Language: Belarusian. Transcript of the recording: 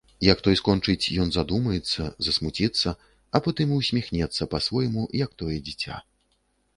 Як той скончыць, ён задумаецца, засмуціцца, а потым і ўсміхнецца па-свойму, як тое дзіця.